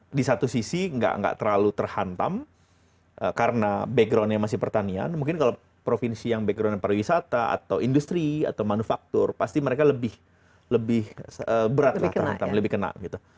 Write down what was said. jadi di satu sisi enggak terlalu terhantam karena backgroundnya masih pertanian mungkin kalau provinsi yang backgroundnya pariwisata atau industri atau manufaktur pasti mereka lebih berat lah terhantam